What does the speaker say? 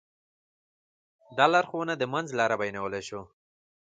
دا لارښوونه د منځ لاره بيانولی شو.